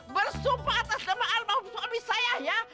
bersumpah atas nama alam mahum suami saya ya